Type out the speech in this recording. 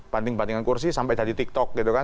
banding bandingan kursi sampai jadi tiktok gitu kan